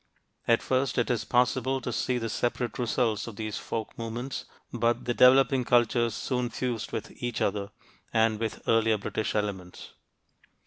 At first it is possible to see the separate results of these folk movements, but the developing cultures soon fused with each other and with earlier British elements.